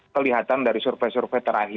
kelihatan dari survei survei terakhir